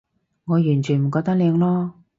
我完全唔覺得靚囉